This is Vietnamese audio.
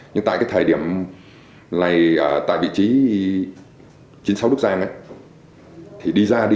chúng ta phải bắt đồng loạt